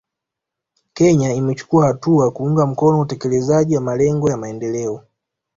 Kenya imechukua hatua kuunga mkono utekelezaji wa malengo ya maendeleo